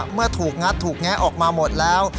เมื่อถูกงัดถูกแงะออกมาหมดแล้ว